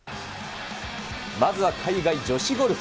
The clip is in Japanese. まずは海外女子ゴルフ。